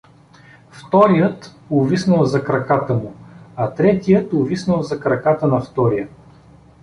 Вторият увиснал за краката му, а третият увиснал за краката на втория.